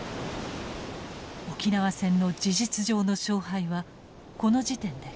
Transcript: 沖縄戦の事実上の勝敗はこの時点で決していた。